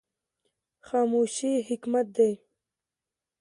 خاموشي حکمت دی